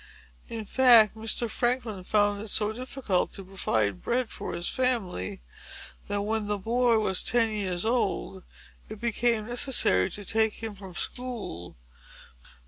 In fact, Mr. Franklin found it so difficult to provide bread for his family, that, when the boy was ten years old, it became necessary to take him from school.